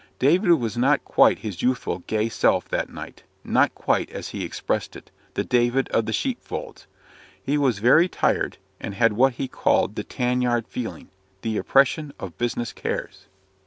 David was not quite his youthful, gay self that night; not quite, as he expressed it, "the David of the sheep folds." He was very tired, and had what he called "the tan yard feeling," the oppression of business cares.